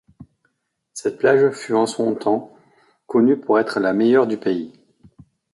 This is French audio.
Cette plage fut, en son temps, connue pour être la meilleure du pays.